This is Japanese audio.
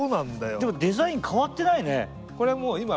でもデザイン変わってないね。